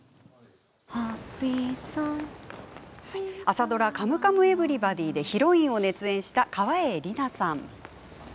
朝ドラ「カムカムエヴリバディ」でヒロインを熱演した川栄李奈さん。